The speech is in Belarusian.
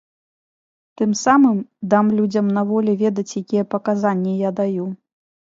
Тым самым дам людзям на волі ведаць якія паказанні я даю.